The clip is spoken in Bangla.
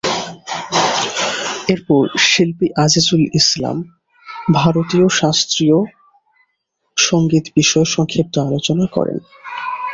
এরপর শিল্পী আজিজুল ইসলাম ভারতীয় শাস্ত্রীয় সংগীত বিষয়ে সংক্ষিপ্ত আলোচনা করেন।